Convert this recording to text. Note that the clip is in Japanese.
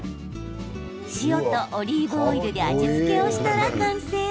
塩とオリーブオイルで味付けをしたら完成。